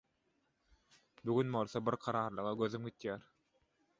Bu gün bolsa, bir kararlylyga gözüm gidýär.